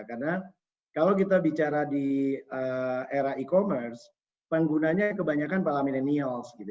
karena kalau kita bicara di era e commerce penggunanya kebanyakan para millennials